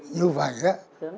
như vậy á